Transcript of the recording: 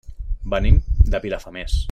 Venim de Vilafamés.